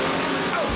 あっ。